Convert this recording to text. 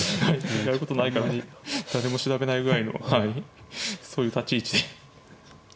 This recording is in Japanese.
やることないから誰も調べないぐらいのそういう立ち位置で。